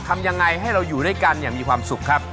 ทำยังไงให้เราอยู่ด้วยกันอย่างมีความสุขครับ